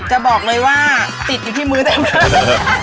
จะบอกเลยว่าติดอยู่ที่มือเต็มเลย